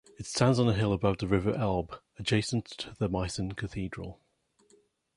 It stands on a hill above the river Elbe, adjacent to the Meissen Cathedral.